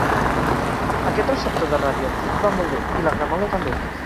Aquest receptor de ràdio antic va molt bé i la gramola també.